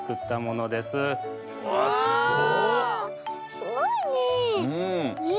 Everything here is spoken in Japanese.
すごいねえ。